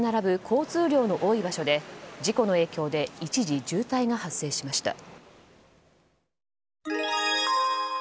交通量の多い場所で事故の影響で一時渋滞が発生しました。